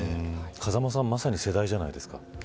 風間さんまさに世代じゃないですか。